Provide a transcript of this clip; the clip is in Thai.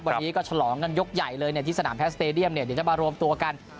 วันนี้ก็ฉลองกันยกใหญ่เลยที่สนามแพทย์สเตดียมจะมารวมตัวกัน